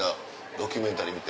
ドキュメンタリー見て。